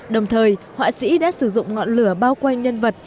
đồng thời họa sĩ đã sử dụng ngọn lửa bao quanh nhân vật